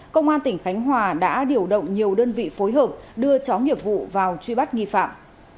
công an tỉnh khánh hòa đã điều động nhiều đơn vị phối hợp đưa chó nghiệp vụ vào truy bắt nghi phạm